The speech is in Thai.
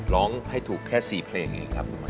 ร้องให้ถูกแค่๔เพลงอีกครับคุณหมาย